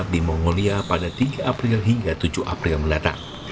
di mongolia pada tiga april hingga tujuh april mendatang